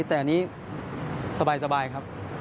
แต่อันนี้สบายครับ